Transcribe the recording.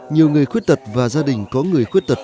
nhiều người khuyết tật và gia đình có người khuyết tật